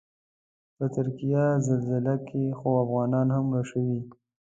په ترکیې زلزله کې خو افغانان هم مړه شوي.